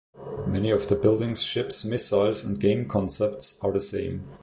Many of the buildings, ships, missiles, and game concepts are the same.